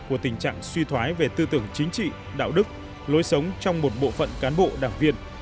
của tình trạng suy thoái về tư tưởng chính trị đạo đức lối sống trong một bộ phận cán bộ đảng viên